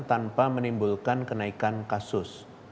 tanpa menimbulkan kenaikan kasus